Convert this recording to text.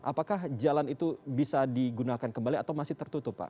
apakah jalan itu bisa digunakan kembali atau masih tertutup pak